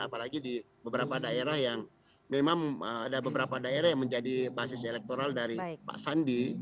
apalagi di beberapa daerah yang memang ada beberapa daerah yang menjadi basis elektoral dari pak sandi